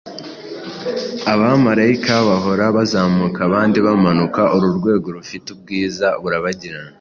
Abamarayika bahora bazamuka abandi bamanuka uru rwego rufite ubwiza burabagirana,